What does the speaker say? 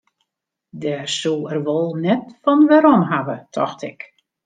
Dêr soe er wol net fan werom hawwe, tocht ik.